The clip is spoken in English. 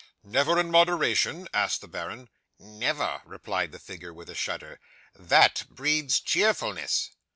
'"Never in moderation?" asked the baron. '"Never," replied the figure, with a shudder, "that breeds cheerfulness."